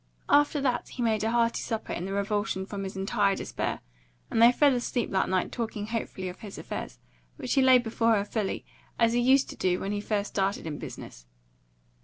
After that he made a hearty supper in the revulsion from his entire despair; and they fell asleep that night talking hopefully of his affairs, which he laid before her fully, as he used to do when he first started in business.